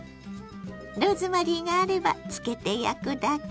ローズマリーがあれば漬けて焼くだけ。